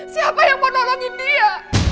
siapa yang mau nolongin dia